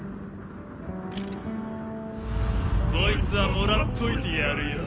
こいつはもらっといてやるよ。